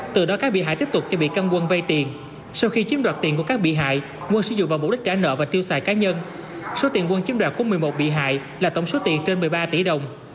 từ đó các bị hại tiếp tục cho bị căn quân vay tiền sau khi chiếm đoạt tiền của các bị hại mua sử dụng vào mục đích trả nợ và tiêu xài cá nhân số tiền quân chiếm đoạt của một mươi một bị hại là tổng số tiền trên một mươi ba tỷ đồng